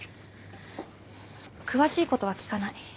詳しいことは聞かない。